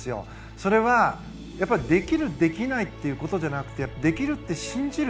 それは、できるできないということではなくてできるって信じる。